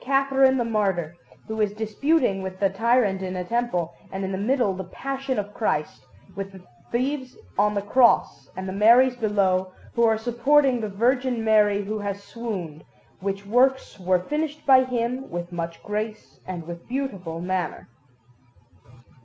Catherine the martyr, who is disputing with the tyrant in a temple, and, in the middle, the Passion of Christ, with the Thieves on the Cross, and the Maries below, who are supporting the Virgin Mary who has swooned; which works were finished by him with much grace and with beautiful manner.